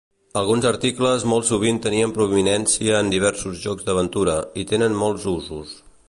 Alguns articles molt sovint tenien prominència en diversos jocs d'aventura, i tenen molts usos.